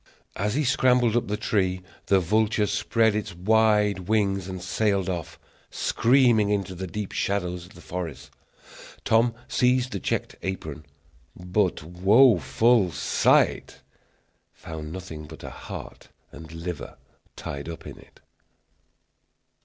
As he scrambled up the tree, the vulture spread its wide wings and sailed off, screaming, into the deep shadows of the forest. Tom seized the checked apron, but, woful sight! found nothing but a heart and liver tied up in it!